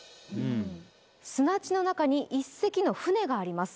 砂地の中に一隻の船があります